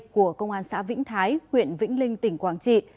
của công an xã vĩnh thái huyện vĩnh linh tỉnh quảng trị